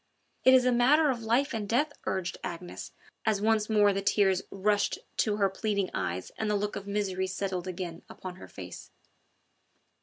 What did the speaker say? "It is a matter of life and death," urged Agnes, as once more the tears rushed to her pleading eyes and the look of misery settled again upon her face.